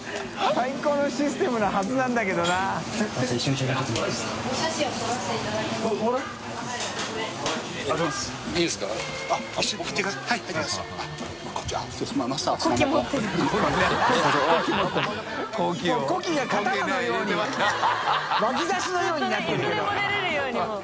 本当にいつでも出れるようにもう。